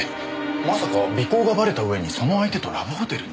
まさか尾行がバレた上にその相手とラブホテルに？